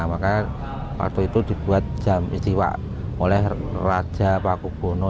maka waktu itu dibuat jam istiwa oleh raja paku kuno